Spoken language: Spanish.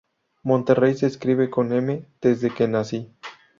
Monterrey se escribe con M desde que nací.